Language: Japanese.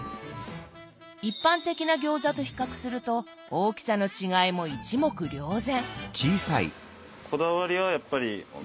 一般的な餃子と比較すると大きさの違いも一目瞭然。